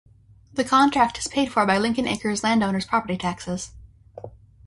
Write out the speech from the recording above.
The contract is paid for by Lincoln Acres landowners' property taxes.